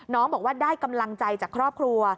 บอกว่าได้กำลังใจจากครอบครัว